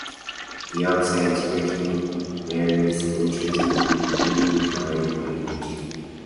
Beyond science fiction, Meredith's interests included painting, drawing and history.